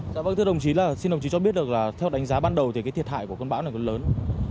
dạ vâng thưa đồng chí xin đồng chí cho biết được là theo đánh giá ban đầu thì thiệt hại của cơn bão này có lớn không